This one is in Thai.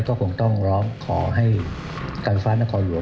ก็คงต้องร้องขอให้การฟ้านครหลวง